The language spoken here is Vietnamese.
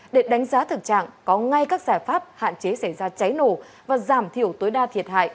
để đánh giá thực trạng có ngay các giải pháp hạn chế xảy ra cháy nổ và giảm thiểu tối đa thiệt hại